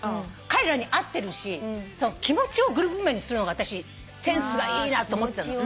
彼らに合ってるし気持ちをグループ名にするのが私センスがいいなと思ってたの。